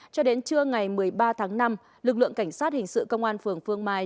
cho đến trưa ngày một mươi ba tháng năm lực lượng cảnh sát hình sự công an phường phương mai